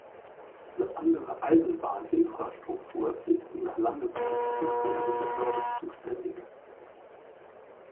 Für andere Eisenbahninfrastruktur ist die nach Landesrecht zuständige Behörde zuständig.